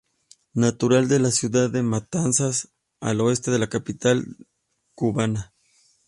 Natural de la ciudad de Matanzas, al oeste de la capital cubana.